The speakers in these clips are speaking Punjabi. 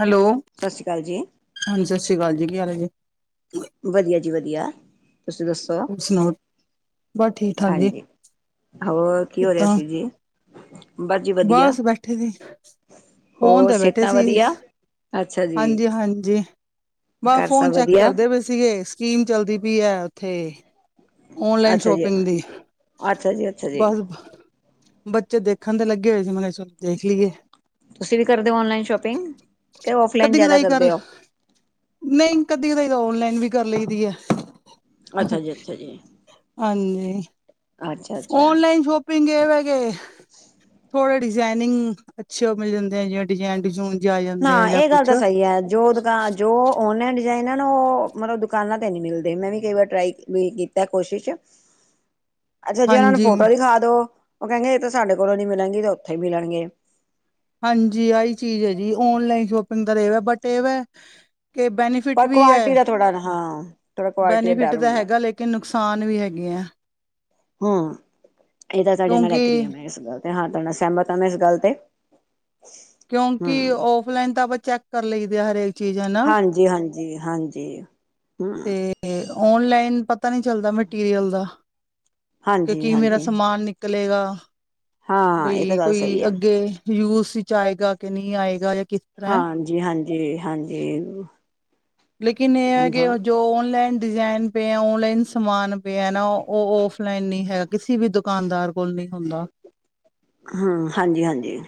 ਹੈਲੋ। ਸਸ਼੍ਰੀ ਕਾਲ ਜੀ। ਹਾਂਜੀ, ਸਸ੍ਰੀ ਅਕਾਲ ਜੀ, ਕੀ ਹਾਲ ਐ ਜੀ? ਵਧੀਆ ਜੀ ਵਧੀਆ, ਤੁਸੀ ਦੱਸੋ? ਹੋਰ ਸੁਣਾਓ ਬਸ ਠੀਕ ਠਾਕ ਜੀ ਹਾਂਜੀ, ਹੋਰ ਕੀ ਹੋ ਰੇਯਾ ਕਿੱਦਾਂ ਸੀ ਜੀ? ਜੀ ਵਧੀਆ, ਬਸ ਬੈਠੇ ਸੀ, ਫੋਨ ਹੋਰ ਤੇ ਬੈਠੇ ਸਿਹਤਾਂ ਸੀ। ਵਧੀਆ? ਅੱਛਾ ਜੀ, ਹਾਂਜੀ-ਹਾਂਜੀ, ਬਹ ਘਰ ਫੋਨ ਸਭ ਚੈਕ ਵਧੀਆ? ਕਰਦੇ ਪੇ ਸੀ। ਸੀਗੇ, ਸਕੀਮ ਚੱਲਦੀ ਪਈ ਐ ਓਥੇ ਓਨਲਾਈਨ ਅੱਛਾ ਜੀ, ਸ਼ੋਪਿੰਗ ਦੀ, ਅੱਛਾ ਜੀ, ਅੱਛਾ ਜੀ, ਬਸ ਬੱਚੇ ਦੇਖਣ ਦੇ ਲੱਗੇ ਹੋਏ ਸੀ, ਮੈ ਕੇਯਾ ਚਲੋ ਦੇਖ ਲਈਏ। ਤੁਸੀ ਵੀ ਕਰਦੇ ਓ ਓਨਲਾਈਨ ਸ਼ੋਪਿੰਗ, ਕੇ ਓਫਲਾਈਨ ਜਾਦਾ ਕਰਦੇ ਓ? ਨਈਂ ਕਦੀ ਕਦਾਈਂ ਤਾਂ ਔਨਲਾਈਨ ਵੀ ਕਰ ਲਈ ਦੀ ਐ। ਅੱਛਾ ਜੀ, ਅੱਛਾ ਜੀ। ਹਾਂਜੀ। ਅੱਛਾ ਅੱਛਾ। ਔਨਲਾਈਨ ਸ਼ੋਪਿੰਗ ਏਵੇ ਕੇ, ਥੋੜੇ ਡਿਜ਼ਾਇਨਿੰਗ ਅੱਛੇ ਓ ਮਿਲ ਜਾਂਦੇ ਆ ਜੋ ਡਿਜ਼ਾਇਨ-ਡਜੂਨ। ਨਾਂ ਏ ਗੱਲ ਤਾ ਸਹੀ ਐ, ਜੋ ਦਕਾਨ ਜੋ ਔਨਲਾਈਨ ਡਿਜ਼ਾਇਨ ਐ ਨਾ ਓ ਮਤਲਬ ਦੁਕਾਨਾਂ ਤੇ ਨੀ ਮਿਲਦੇ। ਮੈਂ ਵੀ ਕਈ ਵਾਰ ਟਰਾਈ ਵੀ ਕੀਤਾ ਕੋਸ਼ਿਸ਼। [inaudible] ਅੱਛਾ, ਜੇ ਔਨਾਂ ਨੂੰ ਹਾਂਜੀ ਫੋਟੋ ਦਿਖਾ ਦੋ, ਓ ਕੈਣਗੇ ਏ ਤੇ ਸਾਡੇ ਕੋਲੋਂ ਨੀ ਮਿਲਣਗੇ ਏ ਤੇ ਓਥੋਂ ਈ ਮਿਲਣਗੇ। ਹਾਂਜੀ, ਆਹੀ ਚੀਜ਼ ਐ ਜੀ। ਓਨਲਾਈਨ ਸ਼ੋਪਿੰਗ ਦਾ ਰੇਗਾ ਬਟ, ਏ ਵੇ ਕਿ ਬੈਨੀ ਫਿਟ ਪਰ ਵੀ ਐ। ਕੁਆਲਿਟੀ ਦਾ ਥੋੜਾ ਹਾਂ ਥੋੜਾ ਕੁਆਲਿਟੀ ਦਾ ਬੈਨੀਫਿਟ ਡਰ ਤਾਂ ਹੁੰਦਾ ਹੈਗਾ, ਲੇਕਿਨ ਨੁਕਸਾਨ ਵੀ ਹੈਗੇ ਐ। ਹਂ। ਏ ਤਾਂ ਤੁਹਾਡੇ ਨਾਲ ਕਿਉਂਕਿ ਐਗਰੀ ਆਂਮੈਂ ਇਸ ਗੱਲ ਤੇ। ਹਾਂ ਤੁਹਾਡੇ ਨਾਲ ਸੈਮਤ ਆਂ ਮੈਂ ਇਸ ਗੱਲ ਤੇ। ਕਿਉਂਕਿ ਹਮ ਔਫਲਾਈਨ ਤਾਂ ਆਪਾਂ ਚੈਕ ਕਰ ਲਈਦੇ ਆ ਹਰੇਕ ਚੀਜ਼ ਹੈਨਾ। ਜੀ ਹਾਂਜੀ ਹਾਂਜੀ। ਹੁੰ। ਤੇ ਓਨਲਾਈਨ ਪਤਾ ਨੀ ਚੱਲਦਾ ਮਟੀਰੀਅਲ ਦਾ। ਕਿ ਹਾਂਜੀ ਕੀ ਮੇਰਾ ਹਾਂਜੀ ਸਮਾਨ ਨਿਕਲੇਗਾ? ਹਾਂ ਇਹ ਤਾਂ ਬਈ ਗੱਲ ਕੋਈ ਸਹੀ ਆ ਅੱਗੇ ਯੂਸ ਇਚ ਆਏਗਾ ਕਿ ਨਈ ਆਏਗਾ। ਯਾ ਕਿ ਹਾਂਜੀ ਹਾਂਜੀ ਹਾਂਜੀ। ਲੇਕਿਨ ਇਹ ਹੈ ਹ ਕਿ ਜੋ ਔਨਲਾਈਨ ਡਿਜ਼ਾਇਨ ਪਏ ਆ ਓਨਲਾਈਨ ਸਮਾਨ ਪਿਆ ਐ ਨਾ ਓ ਔਫਲਾਈਨ ਨੀ ਹੈਗ ਕਿਸੀ ਵੀ ਦੁਕਾਨਦਾਰ ਕੋਲ ਨੀ ਹੁੰਦਾ। ਹੰ ਹਾਂਜੀ ਹਾਂਜੀ।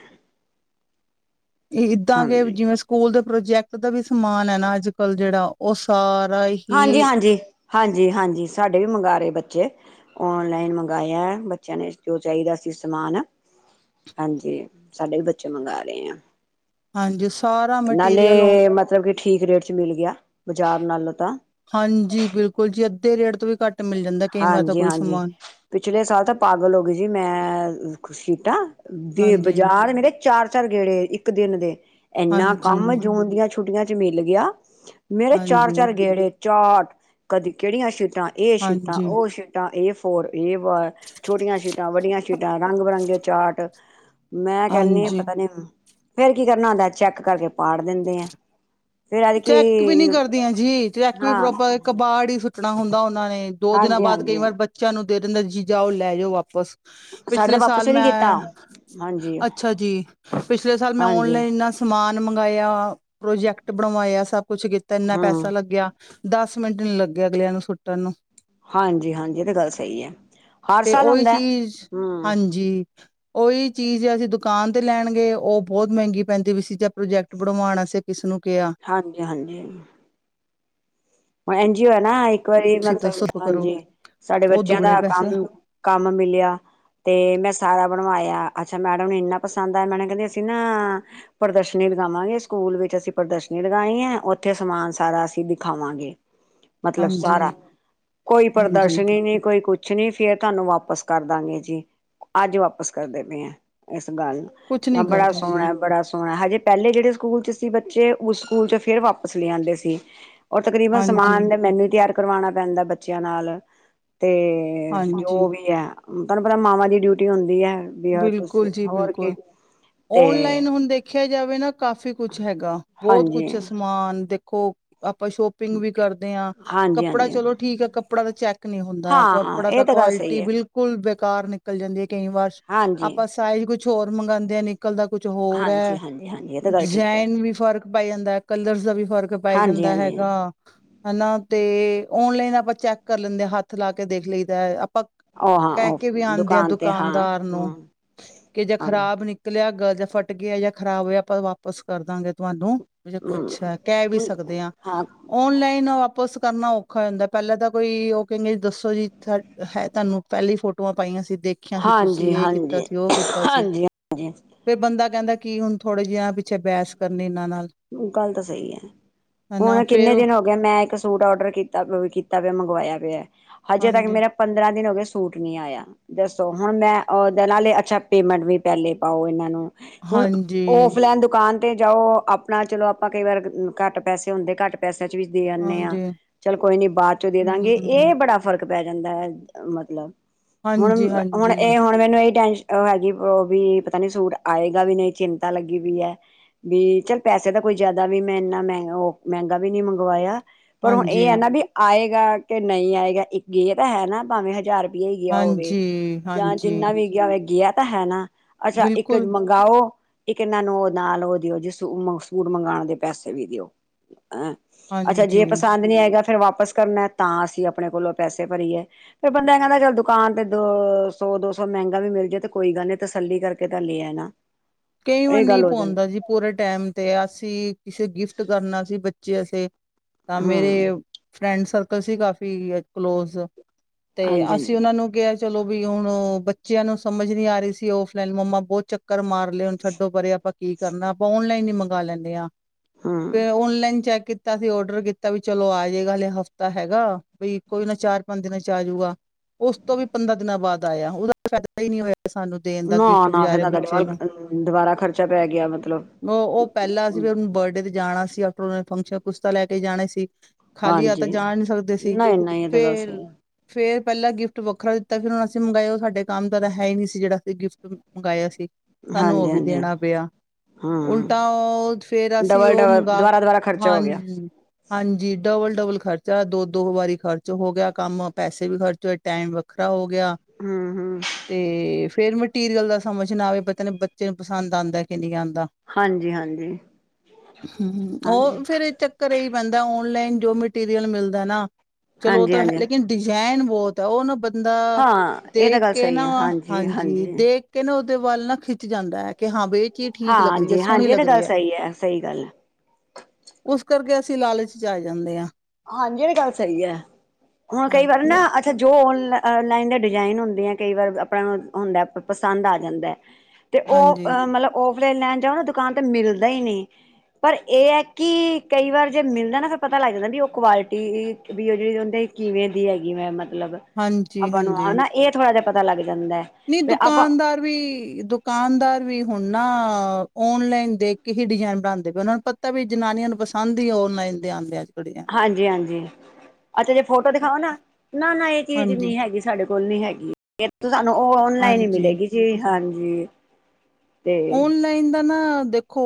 ਇੱਦਾਂ ਕੇ ਜਿਵੇਂ ਸਕੂਲ ਦੇ ਪ੍ਰੋਜੈਕਟ ਦਾ ਵੀ ਸਮਾਨ ਐ ਨਾ ਅੱਜ ਕੱਲ ਜੇੜਾ ਔ ਸਾਰਾ ਈ ਹਾਂਜੀ ਹਾਂਜੀ ਹਾਂਜੀ ਹਾਂਜੀ। ਸਾਡੇ ਵੀ ਮੰਗਾ ਰੇ ਬੱਚੇ। ਓਨਲਾਈਨ ਮੰਗਾਇਆ ਬੱਚੇਆਂ ਨੇ ਜੋ ਚਾਈਦਾ ਸੀ ਸਮਾਨ। ਹਾਂਜੀ। ਸਾਡੇ ਵੀ ਬੱਚੇ ਮੰਗਾ ਰਹੇ ਆ। ਹਾਂਜੀ ਸਾਰਾ ਨਾਲੇ ਮਟੀਰੀਅਲ ਉਹ ਮਤਲਬ ਕਿ ਠੀਕ ਰੇਟ ਚ ਮਿਲ ਗਿਆ ਬਾਜ਼ਾਰ ਨਾਲੋਂ ਤਾਂ। ਹਾਂਜੀ ਬਿਲਕੁਲ ਜੀ ਅੱਧੇ ਰੇਟ ਤੋਂ ਵੀ ਘੱਟ ਮਿਲ ਜਾਂਦਾ ਕਈ ਵਾਰ ਤਾਂ ਕੋਈ ਹਾਂਜੀ-ਹਾਂਜੀ। ਸਮਾਨ ਪਿਛਲੇ ਸਾਲ ਤਾਂ ਪਾਗਲ ਹੋ ਗਏ ਸੀ ਮੈਂ ਸੀਟਾ ਦੇ ਹਾਂਜੀ, ਬਾਜ਼ਾਰ ਮੇਰੇ ਚਾਰ ਚਾਰ ਗੇੜੇ ਇੱਕ ਦਿਨ ਦੇ ਐਨਾ ਹਾਂਜੀ, ਕੰਮ ਜੂਨ ਦੀਆਂ ਛੁੱਟੀਆਂ ਚ ਮਿਲ ਗਿਆ ਮੇਰੇ ਚਾਰ ਹਾਂਜੀ, ਚਾਰ ਗੇੜੇ ਚਾਟ ਕਦੀ ਕਿਹੜੀਆਂ ਸ਼ੀਟਾਂ ਇਹ ਸ਼ੀਟਾਂ ਹਾਂਜੀ, ਉਹ ਸ਼ੀ ਟਾਂ ਏ ਫੋਰ ਏ ਵਨ ਛੋਟੀਆਂ ਸ਼ੀਟਾਂ ਵੱਡੀਆਂ ਸ਼ੀਟਾਂ ਰੰਗ ਬਿਰੰਗੇ ਚਾਰਟ ਮੈਂ ਕਹਿੰਨੀ ਆ ਹਾਂਜੀ। ਪਤਾ ਨੀ ਫੇਰ ਕੀ ਕਰਨਾ ਹੁੰਦਾ ਚੈੱਕ ਕਰਕੇ ਪਾੜ ਦਿੰਦੇ ਆ ਫੇਰ ਐਤਕੀ ਚੈੱਕ ਵੀ ਨੀ ਕਰਦੀਆਂ ਜੀ ਚੈੱਕ ਵੀ ਹਾਂ ਪ੍ਰੋਪਰ ਕਬਾੜ ਹੀ ਸਟਣਾ ਹੁੰਦਾ ਉਹਨਾਂ ਨੇ ਦੋ ਦਿਨਾਂ ਹਾਂਜੀ ਬਾਅਦ ਕਈ ਹਾਂਜੀ ਵਾਰ ਬੱਚਿਆਂ ਨੂੰ ਦੇ ਦਿੰਦੇ ਨੇ ਜੀ ਜਾਓ ਲੈ ਜਾਓ ਵਾਪਸ ਸਾਡੇ ਤਾਂ ਪਿਛਲੇ ਵਾਪਸ ਸਾਲ ਵੀ ਨੀ ਕੀਤਾ ਮੈਂ ਹਾਂਜੀ ਅੱਛਾ ਜੀ ਪਿਛਲੇ ਸਾਲ ਮੈਂ ਹਾਂਜੀ ਓਨਲਾਈਨ ਸਮਾਨ ਮੰਗਵਾਇਆ ਪ੍ਰੋਜੈਕਟ ਬਣਵਾਇਆ ਸਭ ਕੁਛ ਕੀਤਾ ਇੰਨਾ ਹੂੰ ਪੈਸਾ ਲੱਗਿਆ ਦਸ ਮਿੰਟ ਨੀ ਲੱਗੇ ਅਗਲਿਆਂ ਨੂੰ ਸੁੱਟਣ ਨੂੰ ਹਾਂਜੀ ਹਾਂਜੀ ਇਹ ਤੇ ਗੱਲ ਸਹੀ ਹੈ ਹਰ ਸਾਲ ਹੁੰਦਾ ਹਮ ਜੀ ਉਹੀ ਚੀਜ਼ ਅਸੀਂ ਦੁਕਾਨ ਤੇ ਲੈਣਗੇ ਉਹ ਬੋਤ ਮਹਿੰਗੀ ਪੈਂਦੀ ਪੀ ਸੀ ਜਾਂ ਪ੍ਰੋਜੈਕਟ ਬਣਵਾਣ ਵਾਸਤੇ ਅਸੀਂ ਕਿਸਨੂੰ ਕਿਆ ਹਾਂਜੀ ਹਾਂਜੀ ਹੁਣ ਐਨਜੀ ਓਹੈ ਨਾ ਇੱਕ ਵਾਰੀ ਤੁਸੀਂ ਦੱਸੋ ਮਤਲਬ ਕਰੋ, ਹਾਂਜੀ ਸਾਡੇ ਉਹ ਬੱਚਿਆਂ ਦਾ ਦੁੱਗਣੇ ਪੈਸੇ ਕੰਮ ਕੰਮ ਮਿਲਿਆ ਤੇ ਮੈਂ ਸਾਰਾ ਬਣਵਾਇਆ ਅੱਛਾ ਮੈਡਮ ਨੂੰ ਇੰਨਾ ਪਸੰਦ ਆਇਆ ਮੈਡਮ ਕਹਿੰਦੀ ਅਸੀਂ ਨਾ ਪ੍ਰਦਰਸ਼ਨੀ ਲਗਾਵਾਂਗੇ ਸਕੂਲ ਵਿੱਚ ਅਸੀਂ ਪ੍ਰਦਰਸ਼ਨੀ ਲਗਾਨੀ ਹੈ ਉੱਥੇ ਸਮਾਨ ਸਾਰਾ ਅਸੀਂ ਦਿਖਾਵਾਂਗੇ ਮਤਲਬ ਸਾਰਾ ਹਾਂਜੀ, ਕੋਈ ਹਾਂਜੀ, ਪ੍ਰਦਰਸ਼ਨੀ ਨੀ ਕੋਈ ਕੁਛ ਕੁਛ ਨਹੀਂ ਫੇਰ ਤੁਹਾਨੂੰ ਵਾਪਸ ਕਰ ਦਾਂਗੇ ਜੀ ਅੱਜ ਵਾਪਿਸ ਕਰ ਦੇ ਪਏ ਹੈ ਇਸ ਗੱਲ ਕੁਛ ਹਾਂ ਨੀ ਬੜਾ ਕਰਦੇ ਜੀ, ਸੋਣਾ ਬੜਾ ਸੋਣਾ ਹਜੇ ਪੈਲੇ ਜਿਹੜੇ ਸਕੂਲ ਚ ਸੀ ਬੱਚੇ ਉਸ ਸਕੂਲ ਚ ਫੇਰ ਵਾਪਸ ਲੈ ਆਂਦੇ ਸੀ ਔਰ ਤਕਰੀਬ ਹਾਂਜੀ, ਸਮਾਨ ਦਾ ਮੈਨੂੰ ਤਿਆਰ ਕਰਵਾਣਾ ਪੈਂਦਾ ਬੱਚਿਆਂ ਨਾਲ ਤੇ ਹਾਂਜੀ, ਜੋ ਵੀ ਹੈ ਤੁਹਾਨੂੰ ਪਤਾ ਮਾਵਾਂ ਦੀ ਡਿਊਟੀ ਹੁੰਦੀ ਹੈ ਵੀ ਤੁਸੀਂ ਬਿਲਕੁਲ ਜੀ ਹੋਰ ਬਿਲਕੁਲ ਕੀ ਤੇ ਔਨਲਾਈਨ ਹੁਣ ਦੇਖ ਦੇਖਿਆ ਜਾਵੇ ਨਾ ਕਾਫੀ ਕੁਛ ਹੈਗਾ ਬੋਤ ਹਾਂਜੀ ਕੁਛ ਸਮਾਨ ਦੇਖੋ ਆਪਾਂ ਸ਼ੋਪ ਪਿੰਗ ਵੀ ਕਾਰਦੇ ਆਂ। ਹਾਂਜੀ ਕੱਪੜਾ ਹਾਂਜੀ ਚਲੋ ਠੀਕ ਆ, ਕੱਪੜਾ ਦਾ ਚੈੱਕ ਨੀ ਹੁੰਦਾ, ਹਾਂ ਕੱਪੜਾ ਦਾ ਇਹ ਤਾਂ ਗੱਲ ਕੁਆਲਟੀ ਸਹੀ ਹੈ ਬਿਲ ਕੁਲ ਬੇਕਾਰ ਨਿਕਲ ਜਾਂਦੀ ਏ ਕਈ ਵਾਰ, ਹਾਂਜੀ ਆਪਾ ਸਾਈਜ਼ ਕੁਛ ਹੋਰ ਮੰਗਾਂਦੇ ਆ ਨਿ ਨਿਕਲਦਾ ਕੁਛ ਹੋਰ ਹਾਂਜੀ ਐ, ਹਾਂਜੀ ਹਾਂਜੀ ਇਹ ਤਾਂ ਗੱਲ ਠੀਕ ਹੈ ਡਿਜ਼ੈਈਨ ਵੀ ਫ਼ਰਕ ਬੈ ਜਾਂਦੈ, ਕਲਰਸ ਦਾ ਵੀ ਫ਼ਰਕ ਪੈ ਹਾਂਜੀ ਜਾਂਦਾ ਹਾਂਜੀ ਹੈਗਾ। ਹਨਾ, ਤੇ ਓਨਲਾਈਨ ਆਪਾ ਚੈੱਕ ਕਾਰ ਲੈਂਦੇ ਆ। ਹਾੱਥ ਲਾ ਕੇ ਦੇਖ ਲਈ ਦੈ ਆਪ ਪੱਕ ਉਹ ਹਾਂ ਕੈ ਉਹ ਕੇ ਵੀ ਆਂਦੇ ਆ ਦੁਕਾਨ ਤੇ ਹਾਂ ਦੁਕਾਨਦਾਰ ਹੂੰ ਨੂੰ ਕਿ ਜੇ ਹਾਂਜੀ ਖ਼ਰਾਬ ਨਿਕਲੇਆ ਗ ਜ ਫਟ ਗੇਆ ਯਾ ਖਰਾਬ ਹੋਯਾ ਆਪਾ ਤਾ ਵਾਪਸ ਕਾਰਦਾਂਗੇ ਤੋਆਨੂੰ ਵੀ ਜੇ ਕੁੱਛ ਹੂੰ ਹੈ, ਕੈ ਵੀ ਸਕਦੇ ਆਂ। ਹਾਂ ਔਨਲਾਈਨ ਓ ਵਾਪਸ ਕਰਨਾ ਔਖਾ ਹੋ ਜਾਂਦੈ, ਪੈਲਾਂ ਤਾਂ ਕੋਈ ਓ ਕਏਂਗੇ ਜੀ ਦੱਸੋ ਜੀ ਸਾਡ ਹੈ ਤਾਨੂੰ ਪੈਲੀ ਫੋਟੋਆਂ ਪਾਈਆਂ ਸੀ ਦੇਖ ਤੁਸੀ ਹਾਂਜੀ ਏ ਕੀਤਾ ਹਾਂਜੀ ਸੀ, ਓ ਕੀਤਾ ਸੀ ਹਾਂਜੀ ਹਾਂਜੀ ਫੇਰ ਬੰਦਾ ਕੈਂਦਾ ਕੀ ਹੁਨ ਥੋੜੇ ਜੇਆਂ ਪਿੱਛੇ ਬੈਸ ਕਰਨੀ ਏਨਾਂ ਨਾਲ ਗਾੱਲ ਤਾਂ ਸਈ ਐ, ਹਨਾ ਹੁਨ ਕਿੰਨੇ ਫੇਰ ਦਿਨ ਹੋ ਵੇ ਮੈਂ ਇੱਕ ਸੂਟ ਔਡਰ ਕੀਤਾ ਪੇ ਕੀਤਾ ਪੇਐ ਮੰਗਵਾਯਾ ਪੇਐ, ਹਜੇ ਤੱਕ ਹਾਂਜੀ ਮੇਰਾ ਪੰਦਰਾਂ ਦਿਨ ਹੋਗੇ, ਸੂਟ ਨੀ ਆਯਾ। ਦੱਸੋ ਹੁਣ ਮੈਂ ਅ ਦੇ ਨਾਲੇ ਅੱਛਾ ਪੇਮੈਂਟ ਵੀ ਪੈਲੇ ਪਾਓ ਏਨਾਂ ਨੂੰ ਹੁਣ ਹਾਂਜੀ ਔਫਲੈਨ ਦੁਕਾਨ ਤੇ ਜਾਓ ਆਪ ਆਪਣਾ ਚਲੋ ਆਪਾ ਕਈ ਵਾਰ ਘਾੱਟ ਪੈਸੇ ਹੁੰਦੇ ਘਾੱਟ ਪੈਸੇਆਂ ਚ ਵੀ ਦੇ ਆਨੇ ਆਂ। ਹਾਂਜੀ ਚੱਲ ਕੋਈ ਨੀ ਬਾਦ ਚੋਂ ਦੇਦਾਂਗੇ, ਹਮ ਏ ਬੜਾ ਫ਼ਰਕ ਪੈ ਜਾਂਦੈ ਮਤਲਬ ਹਾਂਜੀ ਹੁਣ-ਹੁਣ ਹਾਂਜੀ ਏ ਹੁਣ ਮੈਨੂੰ ਏਈ ਟੈਨਸ਼ ਅ ਹੈਗੀ, ਅ ਵੀ ਪਤਾ ਨੀ ਸੂਟ ਆਏਗਾ ਵੀ ਨਈ ਚਿੰਤਾ ਲੱਗੀ ਵੀ ਐ ਵੀ ਚੱਲ ਪੈਸੇ ਤਾ ਕੋਈ ਜਾਦਾ ਵੀ ਮੈਂ ਇੰਨਾ ਮੈਂ ਓ ਮੈਂਗਾ ਵੀ ਨੀ ਮੰਗਵਾਯਾ ਪਰ ਹੁਨ ਏ ਹਾਂਜੀ ਐ ਨਾ ਵੀ ਆਏਗਾ ਕੇ ਨਈ ਆਏਗਾ ਇੱਕ ਗਏ ਤਾਂ ਹੈ ਨਾ ਭਾਵੇਂ ਹਜ਼ਾਰ ਯਈ ਯਾ ਹੋਵੇ ਹਾਂਜੀ ਜਾਂ ਹਾਂਜੀ ਜਿੰਨਾ ਵੀ ਗੇਆ ਹੋਵੇ, ਗੇਆ ਤਾ ਹੈ ਨਾ, ਅੱਛਾ ਇੱਕ ਬਿਲਕੁਲ ਮੰਗ ਗਾਓ ਇੱਕ ਏਨਾਂ ਨੂੰ ਓ ਨਾਲ ਓ ਦੇਓ ਜਿਸ ਸੂਟ ਮੰਗਾਨ ਦੇ ਪੈਸੇ ਵੀ ਦੇਓ ਅ, ਅੱਛਾ ਜੇ ਹਾਂਜੀ ਪਸਾੰਦ ਨੀ ਆਏਗਾ ਫੇਰ ਵਾਪਸ ਕਰਨੈ ਤਾਂ ਅਸੀਂ ਆਪਣੇ ਕੋਲੋਂ ਪੈਸੇ ਭਰੀਏ ਫੇਰ ਬੰਦਾ ਕੈਂਦੈ ਚੱਲ ਦੁਕਾਨ ਤੇ ਦ ਸੌ ਦੋ ਸੌ ਮੈਂਗਾ ਵੀ ਮਿਲ ਜਾਏ ਤੇ ਕੋਈ ਗਾੱਲ ਨੀ ਤਸੱਲੀ ਕਰ ਕੇ ਤਾ ਲੇਆ ਨਾ ਕੇ ਵਾਰ ਨਈ ਪੋਵਾਂਦਾ ਜੀ ਪੂਰੇ ਟੈਮ ਤੇ ਅਸੀ ਕਿਸ਼ੇ ਗਿਫਟ ਕਰਨਾ ਸੀ ਬੱਚੇ ਅਸੇ ਤਾਂ ਹਮ ਮੇਰੇ ਫਰੈਂਡ ਸਰਕਲ ਸੀ ਕਾਫੀ ਐ ਕਲੋਜ਼ ਤੇ ਹਾਂਜੀ ਅਸੀ ਹਾਂਜੀ ਓਨਾਂ ਨੂੰ ਕੇਆ ਚਲੋ ਵੀ ਹੁਣ ਓ ਬੱਚੇਆ ਨੂੰ ਸਮਝ ਨੀ ਆ ਰਈ ਸੀ ਔਫਲਾਈਨ, ਮੰਮਾ ਬੋ ਚੱਕਰ ਮਾਰ ਲੈ ਹੁਨ ਛੱਡੋ ਪਰੇ ਆਪਾ ਕੀ ਕਰਨਾ, ਆਪਾ ਓਨਲਾਈਨ ਈ ਮੰਗਾ ਲੈਂਦੇ ਆਂ, ਹੂੰ, ਫੇਰ ਓਨਲਾਈਨ ਚੈੱਕ ਕੀ ਕੀਤਾ ਸੀ ਔਡਰ ਕੀਤਾ ਵੀ ਚਲੋ ਆ ਜੇਗਾ, ਹਲੇ ਹਫ਼ਤਾ ਹੈਗਾ ਵਈ ਕੋਈ ਨਾ ਚਾਰ-ਪੰਜ ਦਿਨਾਂ ਚ ਆਜੂਗਾ ਉਸ ਤੋ ਵੀ ਪੰਦਰਾਂ ਦਿਨਾਂ ਬਾਦ ਆਯਾ, ਉਦਾ ਕੋਈ ਫੈਦਾ ਈ ਨੀ ਹੋਯਾ ਸਾਨੂੰ ਦੇਨ ਦਾ ਗਿਫ਼ਟ ਵਿਚਾਰੇ ਬੱਚੇ ਨੂੰ ਦੁਵਾਰਾ ਖਰਚਾ ਪੈ ਗੇਆ ਮਤਲਬ ਓ-ਓ ਪੈਲਾ ਸੀ ਫਿਰ ਓਨੂੰ ਬਰਡੇ ਤੇ ਜਾਨਾ ਸੀ, [unintelligible] ਓਨਾਂ ਨੇ ਫੰਕਸ਼ਨ ਕੁਛਤਾ ਲੈ ਕੇ ਜਾਨਾ ਈ ਸੀ ਖਾਲੀ ਹਾੱਥ ਤਾ ਹਾਂਜੀ, ਜਾ ਨੀ ਸਕਦੇ ਸੀ ਨਹੀਂ-ਨਹੀਂ ਇਹ ਤਾਂ ਗੱਲ ਫੇਰ ਸਹੀ ਹੈ। ਫੇਰ ਪੈਲਾ ਗਿਫਟ ਵੱਖਰਾ ਦਿੱਤਾ, ਫੇਰ ਹੁਨ ਅਸੀ ਮੰਗਾਯਾ ਓ ਸਾਡੇ ਕਾੰਮ ਦਾ ਤਾ ਹੈ ਈ ਨੀ ਸੀ, ਜੇੜਾ ਅਸੀ ਗਿਫਟ ਮ ਮੰਗਾਯਾ ਸੀ। ਸਾਨੂੰ ਓ ਵੀ ਹਾਂਜੀ-ਹਾਂਜੀ ਦੇਣਾ ਪੇਆ ਹੂੰ, ਉਲਟਾ ਓ ਫੇਰ ਅਸੀ ਓ ਡਬਲ-ਡਬਲ ਮੰਗਾ ਦੁਬਾਰਾ-ਦੁਬਾਰਾ ਖਰਚਾ ਹੋ ਹਾਂਨ ਗਿਆ ਹਾਂਜੀ, ਡਵਲ-ਡਵਲ ਖਰਚਾ ਦੋ-ਦੋ ਵਾਰੀ ਖਰਚ ਹੋ ਗੇਆ ਕਾੰਮ, ਪੈਸੇ ਵੀ ਖਰਚ ਹੋਏ। ਟਾਈਮ ਵੱਖਰਾ ਹੋ ਗਿਆ ਹਮ-ਹ ਤੇ ਫੇਰ ਮਟੀਰੀਅਲ ਦਾ ਸਮਝ ਨਾ ਆਵੇ ਪਤਾ ਨੀ ਬੱਚੇ ਨੂੰ ਪਸੰਦ ਆਂਦਾ ਕਿ ਨੀ ਆਂਦਾ। ਹਾਂਜੀ-ਹਾਂਜੀ, ਹਮ ਔ ਹਾਂਜੀ, ਫੇਰ ਏ ਚ ਘਰੇ ਹੀ ਪੈਂਦਾ ਔਨਲਾਈਨ ਜੋ ਮਟੀਰੀਅਲ ਮਿਲਦਾ ਏ ਨਾ ਚਲੋ ਔ ਤਾਂ ਹਾਂਜੀ-ਹਾਂਜੀ ਲੇਕਿਨ ਡਿਜਾਇਨ ਬੋਤ ਅ ਔ ਨਾ ਬੰਦਾ ਹਾਂ ਇਹ ਤਾਂ ਦੇਖ ਗੱਲ ਕੇ ਨਾ ਸਹੀ ਹੈ ਹਾਂਜੀ ਹਾਂਜੀ-ਹਾਂਜੀ, ਦੇਖ ਕੇ ਉਦੇ ਵੱਲ ਨਾ ਖਿੱਚ ਜਾਂਦਾ ਐ। ਕਿ ਹਾਂ ਬਈ ਏ ਚੀਜ਼ ਠੀਕ ਲੱਗ ਰੀ ਐ ਸੋਣੀ ਹਾਂਜੀ-ਹਾਂਜੀ ਇਹ ਲੱਗ ਤਾਂ ਰੀ ਗੱਲ ਐ ਸਹੀ ਹੈ ਸਹੀ ਗੱਲ ਹੈ, ਉਸ ਕਰਕੇ ਅਸੀਂ ਲਾਲਚ 'ਚ ਆਂ ਜਾਂਦੇ ਆਂ। ਹਾਂਜੀ ਏ ਵੀ ਗੱਲ ਸਈ ਐ ਹੁਨ ਕਈ ਵਾਰੀ ਹਾਂਜੀ, ਨਾ ਇੱਥੇ ਜੋ ਔਨਲਾਈਨ ਦੇ ਡਿਜ਼ਾਇਨ ਹੁੰਦੇ ਏ ਕਈ ਵਾਰ ਆਪਣਾ ਨੂੰ ਹੁੰਦਾ ਪਸੰਦ ਆ ਜਾਂਦਾ। [inaudible] ਤੇ ਔ ਮਤਲਬ ਔਫਲਾਈਨ ਲੈਨ ਜਾਓ ਨਾ ਦੁਕਾਨ ਤੇ ਮਿਲਦਾ ਈ ਨੀ। ਪਰ ਏ ਕਿ ਕਈ ਵਾਰ ਜੇ ਮਿਲਦਾ ਨਾ ਫੇਰ ਪਤਾ ਲੱਗ ਜਾਂਦਾ ਵੀ ਔ ਕੁਆਲਿਟੀ ਵੀ ਔ ਜਿੜੀ ਉਦੀਂ ਕਿਵੇਂ ਦੀ ਹੈਗੀ ਮੈਂ ਮਤਲਬ ਹਾਂਜੀ, ਆਪਾਂ ਨੂੰ ਹੈਨਾ ਏ ਥੋੜ੍ਹਾ ਜਾ ਪਤਾ ਲੱਗ ਜਾਂਦਾ। ਨੀ ਫਿਰ ਆਪਾਂ ਦੁਕਾਨਦਾਰ ਵੀ ਦੁਕਾਨਦਾਰ ਵੀ ਹੁਨ ਨਾ ਔਨਲਾਈਨ ਦੇਖ ਕੇ ਹੀ ਡਿਜ਼ਾਇਨ ਬਣਾਦੇ ਪਏ ਉਨਾ ਨੂੰ ਪਤਾ ਤਵੀ ਜਨਾਨੀਆਂ ਨੂੰ ਪਸੰਦ ਹੀ ਔਨਲਾਈਨ ਦੇ ਆਂਦੇ ਅਜ ਹਾਂਜੀ-ਹਾਂਜੀ ਅੱਛਾ ਜੇ ਫੋਟੋ ਦਿਖਾਵਾ ਨਾ ਨਾ-ਨਾ ਏ ਚੀਜ਼ ਹਾਂਜੀ, ਨੀ ਹੈਗੀ ਸਾਡੇ ਕੋਲ ਕੋਲ ਨੀ ਹੈਗੀ ਇਹ ਸਾਨੂੰ ਔਨਲਾਈਨ ਈ ਹਾਂਜੀ। ਮਿਲੇ਼ਗੀ ਜੀ ਹਾਂਜੀ। ਤੇ ਔਨਲਾ ਲਾਈਨ ਦਾ ਨਾ ਦੇਖੋ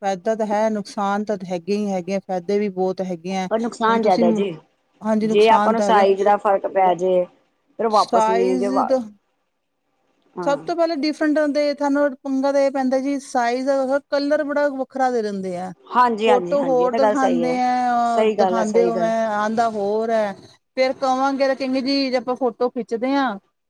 ਫੈਦਾ ਤਾਂ ਹੈ, ਨੁਕਸਾਨ ਤਾਂ ਹੈਗੇ ਈ ਹੈਗੇ ਫਾਇਦੇ ਵੀ ਬੋਤ ਹੈਗੇ ਏ ਪਰ ਹੁਨ ਨੁਕਸਾਨ ਤੁਸੀਂ ਜ਼ਿਆਦਾ ਜੀ ਹਾਂਜੀ ਜੇ ਆਪਾਂ ਨੁਕਸਾਨ ਨੂੰ ਤਾਂ ਹੈਗਾ ਸਾਈਜ਼ ਦਾ ਫ਼ਰਕ ਪੈ ਜੇ ਫਿਰ ਵਾਪਸ ਨਹੀਂ ਜੇ ਸਾਈਜ਼ ਵਾ ਦ ਸਭ ਹਾਂ ਤੋਂ ਪੈਲੇ ਡਿਫ [unintelligible] ਪੰਗਾ ਤੇ ਏ ਪੈਂਦਾ ਜੀ ਸਾਈਜ਼ ਕਲਰ ਬੜਾ ਵੱਖਰਾ ਦੇ ਦੇਂਦੇਂ ਐ। ਹਾਂਜੀ ਹਾਂਜੀ ਫੋਟੋ ਹਾਂਜੀ ਇਹ ਹੋਰ ਤਾਂ ਗੱਲ ਸਹੀ ਦਿਖਾਦੇਂ ਹੈ ਐ ਓ ਸਹੀ ਗੱਲ ਹੈ ਦਿਖਾਦੇਂ ਸਹੀ ਉਵੇ ਗੱਲ ਆਂਦਾ ਹੋਰ ਐ ਫੇਰ ਕਵਾਂਗੇ ਕਿੰਗ ਜੀ ਜੇ ਆਪਾਂ ਫੋਟੋ ਖਿੱਚਦੇ ਆ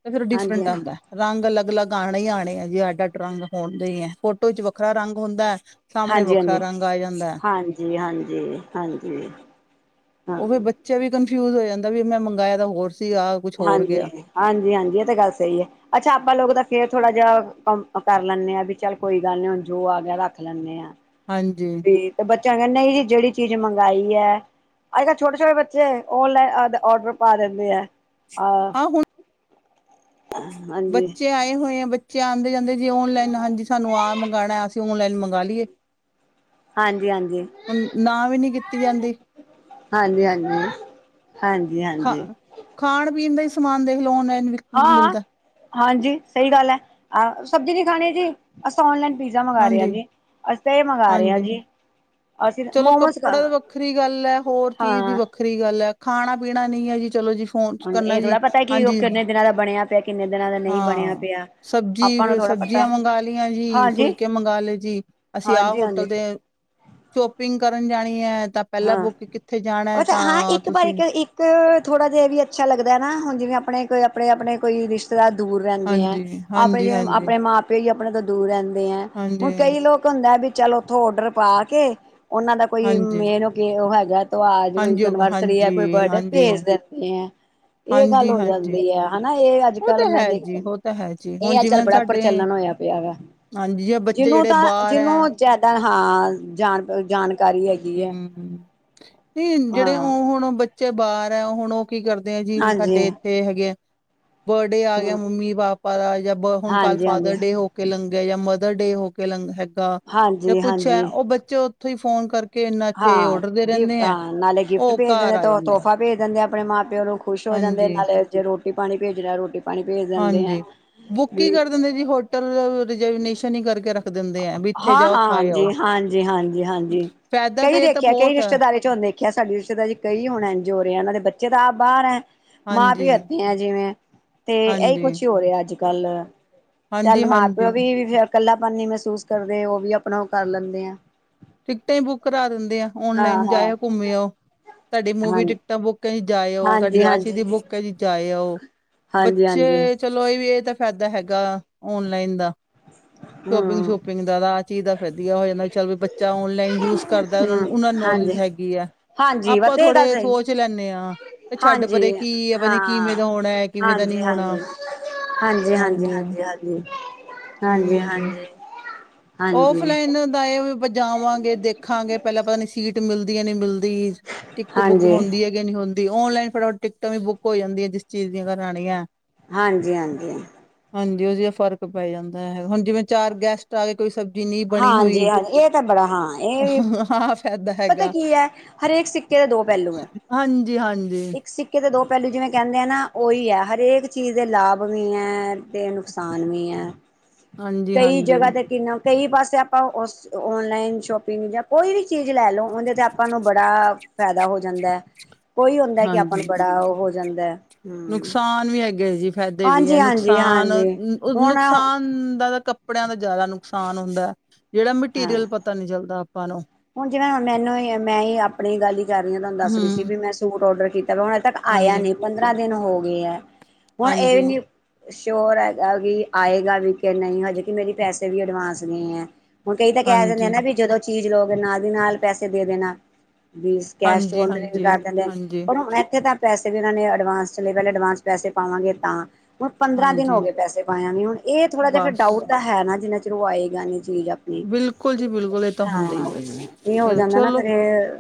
ਤੇ ਫੇਰ ਔ ਹਾਂਜੀ ਡਿਫਰੈਂਟ ਹਾਂ ਆਂਦਾ। ਰੰਗ ਅਲੱਗ-ਅਲੱਗ ਆਣੇ ਈ ਆਣੇ ਆ ਜੀ ਅੱਡ ਅੱਡ ਰੰਗ ਹੋਨਦੇ ਈ ਐ ਫੋਟੋ 'ਚ ਵੱਖਰਾ ਰੰਗ ਹੁੰਦਾ। ਸਾਹਮਣੇ ਵੱਖਰਾ ਹਾਂਜੀ-ਹਾਂਜੀ, ਰੰਗ ਆ ਜਾਂਦਾ ਹਾਂਜੀ-ਹਾਂਜੀ, ਹਾਂਜੀ ਹਾਂ। ਚ ਵੀ ਕੰਨਫਿਊਜ ਹੋ ਜਾਂਦਾ ਵੀ ਮੈਂ ਮੰਗਾਇਆ ਤਾ ਹੋਰ ਸੀਗਾ ਆ ਹਾਂਜੀ-ਹਾਂਜੀ, ਹਾਂਜੀ ਏ ਤੇ ਗੱਲ ਸਈ ਐ। ਅੱਛਾ, ਆਪਾਂ ਲੋਗ ਤਾਂ ਫੇਰ ਥੋੜਾ ਜਿਆ ਕੰਮ ਕਰ ਲੈਂਨੇ ਆ ਵੀ ਚੱਲ ਕੋਈ ਗੱਲ ਨੀ ਹੁਨ ਜੋ ਆ ਗਿਆ ਰੱਖ ਲੈਨੇ ਆ। ਹਾਂਜੀ। ਤੇ ਬੱਚਿਆਂ ਕੈਨੇ ਨਈ ਜੀ ਜੇੜੀ ਚੀਜ਼ ਮੰਗਾਈ ਐ ਅੱਜ ਕੱਲ੍ਹ ਛੋਟੇ-ਛੋਟੇ ਬੱਚੇ ਔਨਲੈਨ ਆਦ ਓਡਰ ਪਾ ਦਿੰਦੇ ਐ ਅ ਆਹ ਹੁਣ ਬੱਚੇ ਆਏ ਹੋਏ ਐ ਬ ਬੱਚੇ ਆਦੇ ਜਾਂਦੇ ਜੀ ਔਨਲਾਈਨ ਹਾਂਜੀ ਸਾਨੂੰ ਆ ਮੰਗਾਣਾ ਅਸੀਂ ਔਨਲਾਈਨ ਮੰਗਾ ਲੀਏ। ਹਾਂਜੀ-ਹਾਂਜੀ, ਨਾ ਵੀ ਨੀ ਕੀਤੀ ਜਾਂਦੀ ਹਾਂਜੀ-ਹਾਂਜੀ। ਹਾਂਜੀ-ਹਾਂਜੀ। ਖਾਣ-ਪੀਣ ਦਾ ਈ ਸਮਾਨ ਦੇਖ ਲਓ ਔਨਲੈਨ ਵਿ ਹਾਂ ਆਂ ਹਾਂਜੀ ਸਈ ਗੱਲ ਐ ਆ ਸਬਜ਼ੀ ਨੀ ਖਾਣੀ ਜੀ। ਅਸੀਂ ਤਾ ਔਨਲਾਈਨ ਪੀਜ਼ਾ ਮੰਗਾ ਰੇ ਆ ਹਾਂਜੀ ਜੀ, ਅਸੀਂ ਤੇ ਏ ਮੰਗਾ ਰੇ ਆ ਹਾਂਜੀ ਜੀ। ਅਸੀਂ ਚਲੋ ਮੋਮੋਸ ਕੱਪੜਾ ਤ ਵੱਖਰੀ ਗੱਲ ਐ ਹੋਰ ਚੀਜ਼ ਦੀ ਹਾਂ। ਵੱਖ ਵੱਖਰੀ ਗੱਲ ਐ ਖਾਨਾ- ਪੀਨਾ ਨੀ ਐ ਜੀ ਚਲੋ ਜੀ ਫੋਨ ਕਰਨਾ ਜੀ ਹਾਂਜੀ। ਮੇਰਾ ਤਾ ਬਨੇਆ ਹਾਂ ਆਪਾਂ ਨੂੰ ਸਬਜ਼ੀ ਥੋੜ੍ਹਾ ਪਤਾ, ਸਬਜ਼ੀਆਂ ਮੰਗਾ ਲਈਆਂ ਜੀ ਹਾਂਜੀ, ਫੁਲਕੇ ਮੰਗਾਲੇ ਜੀ। ਅਸੀਂ ਆਹ ਹਾਂਜੀ, ਹੋਟਲ ਹਾਂਜੀ, ਤੇ ਚੋਪਿੰਗ ਕਰਨ ਜਾਨੀ ਐ ਤਾਂ ਪੈਲਾਂ ਹਾਂ। ਬੁਕ ਕਿੱਥੇ ਜਾਨੈ ਤਾਂ ਤੁਸੀਂ ਤੇ ਥੋੜ੍ਹਾ ਜਾ ਏ ਵੀ ਅੱਛਾ ਲੱਗਦਾ ਐ ਨਾ ਹੁਨ ਜਿਵੇਂ ਆਪਨੇ ਕੋਈ ਆਪਨੇ-ਆਪਨੇ ਕੋਈ ਰਿਸ਼ ਤੇਦਾਰ ਦੂਰ ਰੈਂਦੇ ਆ, ਹਾਂਜੀ ਆਪਨੇ ਹਾਂਜੀ ਜਿਵੇਂ ਹਾਂਜੀ ਆਪਨੇ ਮਾਂ-ਪਿਓ ਈ ਆਪਨੇ ਤੋਂ ਦੂਰ ਰੈਂਦੇ ਐ, ਹੁਨ ਹਾਂਜੀ ਕਈ ਲੋਕ ਇਕ ਹੁੰਦਾ ਵੀ ਚੱਲ ਓਥੋਂ ਔਡਰ ਪਾ ਕੇ ਓਨਾਂ ਦਾ ਕੋਈ ਹਾਂਜੀ ਮੇਨ ਓ ਕੇ ਓ ਹੈਗਾ ਤੋ ਆਜ ਕੋਈ ਹਾਂਜੀ ਉਹ- ਐਨਵਰਸਰੀ ਐ ਹਾਂਜੀ ਕੋਈ ਬਰਡੇ ਐ ਹਾਂਜੀ ਭੇਜ ਦਿੰਦੇ ਐ। ਏ ਗੱਲ ਹਾਂਜੀ ਹੋ ਹਾਂਜੀ ਜਾਂਦੀ ਐ ਹਨਾ ਏ ਉਹ ਅੱਜ-ਕੱਲ ਤਾਂ ਮੈਂ ਹੈ ਦੇਖ, ਜੀ ਉਹ ਤਾਂ ਹੈ ਜੀ ਹੁਣ ਏ ਅੱਜ-ਕੱਲ੍ਹ ਜਿਵੇਂ ਬੜਾ ਸਾਡੇ ਪ੍ਰਚੱਲਨ ਹੋਇਆ ਪਿਆ ਵਾ, ਹਾਂਜੀ ਜੇ ਬੱਚੇ ਜਿਨੂੰ ਜਿਹੜੇ ਤਾਂ ਬਾਹਰ ਹੈ ਜਿਨੂੰ ਜਾਦਾ ਹਾਂ ਜਾ ਜਾਨਕਾਰੀ ਹੈਗੀ ਹੈ ਹੂੰ, ਨਈ ਜੇੜੇ ਓ ਹਾਂ ਹੁਨ ਬੱਚੇ ਬਾਰ ਐ ਹੁਨ ਓ ਕੀ ਕਰਦੇ ਆ ਜੀ ਹਾਂਜੀ ਸਾਡੇ ਏਥੇ ਹੈਗੇ ਆ ਬਰਡੇ ਆ ਗੇਆ ਹਮ ਮੰਮੀ ਪਾਪਾ ਦਾ ਜਾਂ ਬ ਹੁਨਕੱਲ ਹਾਂਜੀ-ਹਾਂਜੀ, ਫਾਦਰ ਡੇ ਹੋ ਕੇ ਲੰਗੇਆ ਜਾਂ ਮਦਰ ਡੇ ਹੋ ਕੇ ਲੰਗ ਹੈਗਾ ਜਾਂ ਕੁੱਛ ਐ ਹਾਂਜੀ-ਹਾਂਜੀ। ਓ ਬੱਚੇ ਓਥੋਂ ਈ ਫੋਨ ਕਰ ਹਾਂ ਗਿਫ ਹਾਂ ਨਾਲੇ ਗਿਫਟ ਉਹ ਭੇਜਦੇ ਘਰ ਨੇ ਤੇ ਆ ਤੋ ਜਾਂਦੇ ਆ ਤੋਫ਼ਾ ਭੇਜ ਦਿੰਦੇ ਆ ਆਪਨੇ ਮਾਂ-ਪਿਓ ਨੂੰ ਖੁਸ਼ ਹੋ ਜਾਂਦੇ ਐ ਹਾਂਜੀ ਨਾਲੇ ਜੇ ਰੋਟੀ ਪਾਨੀ ਭੇਜਨਾ ਰੋਟੀ ਪਾਨੀ ਭੇਜ ਦਿੰਦੇ ਐ। ਹਾਂਜੀ ਬੁੱਕ ਈ ਕਰ ਦਿੰਦੇ ਜੀ ਹੋਟਲ ਰਿਜਰਵੀਨੇਸ਼ਨ ਈ ਕਰਕੇ ਰੱਖ ਦਿੰਦੇ ਆ ਵੀ ਇੱਥੇ ਜਾਓ ਹਾਂ-ਹਾਂ ਖਾਏ ਆਓ। ਜੀ ਹਾਂਜੀ-ਹਾਂਜੀ-ਹਾਂਜੀ, ਫਾਇਦਾ ਕਈ ਤੇ ਇਹ ਤਾਂ ਦੇਖੇਆ ਕਈ ਬਹੁਤ ਹੈ ਰਿਸ਼ਤੇਦਾਰੀ ਚ ਹੁੰਦੇ ਕਿਆ ਸਾਡੀ ਰਿਸ਼ਤੇਦਾਰੀ ਕਈ ਹੁਨ ਐਂਜ ਹੋ ਰੇਐ ਐਨਾ ਦੇ ਬੱਚੇ ਤਾਂ ਆਪ ਬਾਰ ਐ। ਹਾਂਜੀ, ਮਾਂ-ਪਿਓ ਏਥੇ ਆਂ ਜਿਵੇਂ ਤੇ ਏਈ ਹਾਂਜੀ, ਕੁਛ ਹੋ ਰਿਆ ਅੱਜ-ਕੱਲ ਹਾਂਜੀ, ਚੱਲ ਮਾਂ-ਪਿਓ ਹਾਂਜੀ ਵੀ ਫੇਰ ਇਕੱਲਾਪਨ ਨੀ ਮਹਿਸੂਸ ਕਰਦੇ ਓ ਵੀ ਆਪਨਾ ਓ ਕਰ ਲੈਂਦੇ ਐ। ਟਿਕਟਾਂ ਈ ਬੁੱਕ ਕਰਾ ਦਿੰਦੇ ਆ ਹਾਂ-ਹਾਂ, ਔਨਲਾਈਨ ਜਾਏਓ ਘੁੰਮੇ ਆਓ ਤੁਆਡੀ ਹਾਂ ਮੂਵੀ ਹਾਂ ਟਿਕ ਸ਼ੀਟਾ ਬੁੱਕਾਂ ਜੀ ਜਾਏ ਆਓ ਤਾਡੀ ਹਾਂਜੀ ਆ ਚੀਜ਼ ਹਾਂਜੀ ਦੀ ਬੁੱਕ ਐ ਜੀ ਜਾਏ ਆਓ, ਹਾਂਜੀ ਹਾਂਜੀ ਬੱਚੇ ਚਲੋ ਏ ਵੀ ਏਦਾ ਫੈਦਾ ਹੈਗਾ ਔਨਲਾਈਨ ਦਾ। ਸ਼ੋਪਿੰਗ ਹਮ ਸੂਪਿੰਗ ਦਾ ਓਦਾ ਆ ਚੀਜ਼ ਦਾ ਵਦੀਆ ਹੋ ਜਾਂਦਾ ਚੱਲ ਵੀ ਬੱਚਾ ਔਨਲਾਈਨ ਯੂਜ ਕਰਦਾ ਹਮ ਓਨਾਂ-ਓਨਾਂ ਨੂੰ ਨੌਲੇਜ ਹਾਂਜੀ ਹੈਗ ਗੀ ਆ, ਹਾਂਜੀ ਆਪਾਂ ਬਸ ਇਹ ਗੱਲ ਥੋੜੇ ਸਹੀ ਸੋਚ ਲੈਂਨੇ ਆ। ਹਾਂ ਤੇ ਛੱਡ ਹਾਂਜੀ ਪਰੇ ਕੀ ਐ ਪਤਾ ਨੀ ਹਾਂ ਕਿਵੇਂ ਦਾ ਹੋਨੈ ਕਿਵੇਂ ਦਾ ਨਈ ਹੋਨਾ। ਹੂੰ ਹਾਂਜੀ-ਹਾਂਜੀ-ਹਾਂਜੀ-ਹਾਂਜੀ-ਹਾਂਜੀ-ਹਾਂਜੀ। ਔਫਲਾਈਨ ਦਾ ਏ ਵੀ ਆਪਾਂ ਜਾਵਾਂਗੇ ਦੇਖਾਂਗੇ ਪੈਲਾਂ ਪਤਾ ਨੀ ਸੀਟ ਮਿਲਦੀ ਐ ਨਈਂ ਮਿਲਦੀ। ਟਿਕਟ ਬੁੱਕ ਹਾਂਜੀ ਹੁੰਦੀ ਐ ਨੀ ਹੁੰਦੀ ਓਨਲਾਈਨ ਫਟਾ-ਫਟਾ ਟਿਕਟਾਂ ਵੀ ਬੁੱਕ ਹੋ ਜਾਂਦੀਆਂ ਜਿਸ ਚੀਜ਼ ਦੀਆਂ ਕਰਾਨੀਐ। ਹਾਂਜੀ-ਹਾਂਜੀ। ਹਾਂਜੀ ਓਦੀ ਆ ਫ਼ਰਕ ਪੈ ਜਾਂਦਾ ਐ ਹੁਨ ਜਿਵੇਂ ਚਾਰ ਗੈਸਟ ਆਗੇ ਕੋਈ ਸਬ ਸਬਜ਼ੀ ਨੀ ਬਨੀ ਹੋਈ, ਹਾਂਜੀ ਹਾਂਜੀ ਇਹ ਤਾਂ ਬੜਾ ਹਾਂ ਇਹ ਵੀ ਹਾਫ ਪਤਾ ਕੀ ਐ, ਹਰੇਕ ਸਿੱਕੇ ਦਾ ਦੋ ਪੈਲੂ ਐ ਹਾਂਜੀ ਹਾਂਜੀ ਇੱਕ ਸਿੱ ਸਿੱਕੇ ਦੇ ਦੋ ਪੈਲੂ ਜਿਵੇਂ ਕੈਂਦੇ ਆ ਨਾ ਓਈ ਐ ਹਰੇਕ ਚੀਜ਼ ਦੇ ਲਾਭ ਵੀ ਐ ਤੇ ਨੁਕਸਾਨ ਵੀ ਐ। ਹਾਂਜੀ ਕਈ ਹਾਂਜੀ ਜਗਾ ਤੇ ਕਿੰਨਾ ਕਈ ਪਾਸੇ ਆਪਾਂ ਓਸ ਔਨਲਾਈਨ ਸ਼ੋਪਿੰਗ ਜਾਂ ਕੋਈ ਵੀ ਚੀਜ਼ ਲੈ ਲੋ ਓਦੇ ਤੇ ਆਪਾਂ ਨੂੰ ਬੜਾ ਫੈਦਾ ਹੋ ਜਾਂਦੈ। ਕੋਈ ਹੁੰਦਾ ਕੇ ਆਪਾਂ ਨੂੰ ਹਾਂਜੀ ਬੜਾ ਓ ਹੋ ਜਾਂਦਾ, ਹੂੰ। ਨੁਕਸਾਨ ਵੀ ਹੈਗੇ ਜੀ ਫੈਦੇ ਵੀ ਐ ਹਾਂਜੀ ਹੁਣ ਨੁਕਸਾਨ-ਨੁਕਸਾਨ ਹਾਂ ਦਾ ਤਾਂ ਕੱ ਕੱਪੜੇਆਂ ਦਾ ਜਾਦਾ ਨੁਕਸਾਨ ਹੁੰਦਾ ਜੇੜਾ ਮਟੀਰੀਅਲ ਪਤਾ ਨੀ ਚੱਲਦਾ ਆਪਾਂ ਨੂੰ। ਹੁਣ ਜਿਵੇਂ ਮੈਨੂੰ ਮੈਂ ਹੀ ਆਪਣੀ ਗੱਲ ਹੀ ਕਰ ਰਹੀ ਹਾਂ ਤੁਹਾਨੂੰ ਦੱਸ ਰਹੀ ਸੀ ਹਮ ਵੀ ਮੈਂ ਸੂਟ ਔਡਰ ਕੀਤਾ ਹੁਣ। ਤੱਕ ਹਾਂਜੀ ਆਇਆ ਨੀ ਪੰਦਰਾਂ ਦਿਨ ਹੋ ਗਏ ਆ ਹੁਣ ਇਹ ਹਾਂਜੀ, ਵੀ ਨੀ। ਸ਼ੋਰ ਹੈਗਾ ਵੀ ਆਏਗਾ ਵੀ ਕਿ ਨਹੀਂ ਹਜੇ ਕਿ ਮੇਰੇ ਪੈਸੇ ਵੀ ਐਡਵਾਂਸ ਨਹੀ ਹੈ। ਹੁਣ ਕਈ ਤਾਂ ਕਹਿ ਦਿੰਦੇ ਆ ਹਾਂਜੀ, ਨਾ ਵੀ ਜਦੋਂ ਚੀਜ਼ ਲਓਗੇ ਨਾਲ ਦੀ ਨਾਲ ਪੈਸੇ ਦੇ ਦੇਣਾ। ਵੀ ਕੈਸ਼ ਹਾਂਜੀ, ਡਿਲੀਵਰੀ ਹਾਂਜੀ, ਕਰ ਦਿੰਦੇ, ਹਾਂਜੀ, ਪਰ ਹੁਣ ਇੱਥੇ ਤੱਕ। ਪੈਸੇ ਵੀ ਇਹਨਾਂ ਨੇ ਐਡਵਾਂਸ ਚਲੇ, ਪਹਿਲਾਂ ਐਡਵਾਂਸ ਪੈਸੇ ਪਾਵਾਂਗੇ ਤਾਂ। ਹੁਣ ਪੰਦਰਾਂ ਦਿਨ ਹੋ ਹਾਂਜੀ। ਗਏ ਪੈਸੇ ਪਾਇਆ ਨੂੰ ਇਹ ਥੋੜ੍ਹਾ ਜਿਹਾ ਫੇਰ ਬਸ ਡਾਊਟ ਤਾਂ ਹੈ ਨਾ ਜਿੰਨਾ ਚਿਰ ਉਹ ਆਏਗਾ ਚੀਜ਼। ਆਪਣੀ ਬਿਲਕੁਲ ਜੀ ਬਿਲਕੁਲ ਇਹ ਤਾਂ ਹੁੰਦਾ ਹੀ ਹੈ ਜੀ। ਨਹੀ ਹੋ ਇਹ ਜਾਂਦਾ ਨਾ ਚਲੋ ਫੇਰ।